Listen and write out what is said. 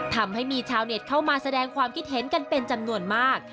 ทำให้มีชาวเน็ตเข้ามาแสดงความคิดเห็นกันเป็นจำนวนมาก